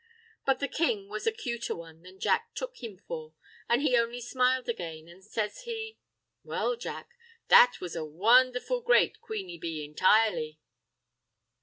But the king was a cuter one than Jack took him for, an' he only smiled again, an' says he— "Well, Jack, that was a wondherful great queeny bee entirely."